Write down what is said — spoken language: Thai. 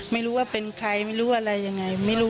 ไม่รู้ว่าเป็นใครไม่รู้อะไรยังไงไม่รู้